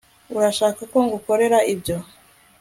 Urashaka ko ngukorera ibyo